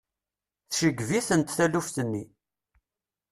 Tceggeb-itent taluft-nni.